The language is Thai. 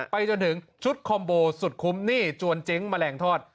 ไปจนถึงชุดคอมโบสุดคุ้มหนี้จวนเจ๊งแมลงทอด